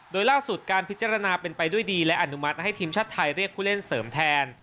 โดยล่าสุดการพิจารณาเป็นไปด้วยดีและอนุมัติให้ทีมชาติไทยเรียกผู้เล่นเสริมแทน